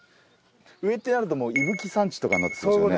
上ってなるともう伊吹山地とかになってますよね。